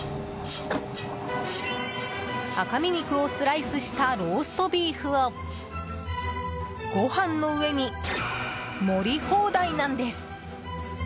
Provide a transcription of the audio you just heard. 赤身肉をスライスしたローストビーフをご飯の上に盛り放題なんです！